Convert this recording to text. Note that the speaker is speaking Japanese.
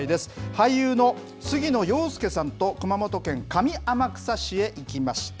俳優の杉野遥亮さんと、熊本県上天草市へ行きました。